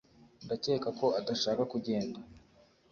Ndakeka ko adashaka kugenda